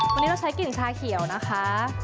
วันนี้เราใช้กลิ่นชาเขียวนะคะ